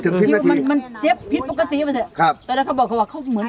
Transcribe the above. ที่ว่ามันเจ็บภิกษ์ปกติปุ่น